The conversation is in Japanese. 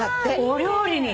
お料理に！？